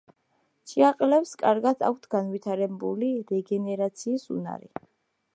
ჭიაყელებს კარგად აქვთ განვითარებული რეგენერაციის უნარი.